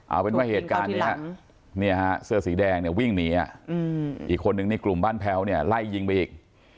เอาเป็นว่าเหตุการณ์นี้เนี่ยฮะเสื้อสีแดงเนี่ยวิ่งหนีอีกคนนึงนี่กลุ่มบ้านแพ้วเนี่ยไล่ยิงไปอีก